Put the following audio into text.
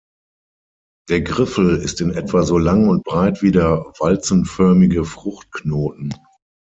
Der Griffel ist in etwa so lang und breit wie der walzenförmige Fruchtknoten.